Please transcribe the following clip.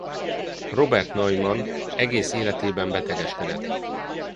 Robert Neumann egész életében betegeskedett.